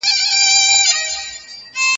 ایا دا الوتکه به په وخت ورسیږي؟